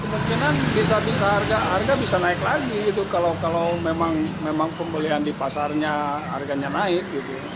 mungkin harga bisa naik lagi kalau memang pembelian di pasarnya harganya naik